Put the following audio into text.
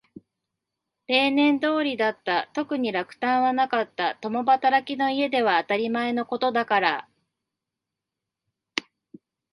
例年通りだった。特に落胆はなかった。共働きの家では当たり前のことだから。